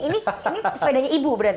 ini sepedanya ibu berarti